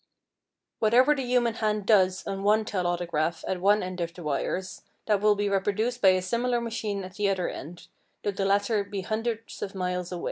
Whatever the human hand does on one telautograph at one end of the wires, that will be reproduced by a similar machine at the other end, though the latter be hundreds of miles away.